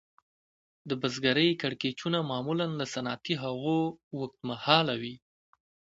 د بزګرۍ کړکېچونه معمولاً له صنعتي هغو اوږد مهاله وي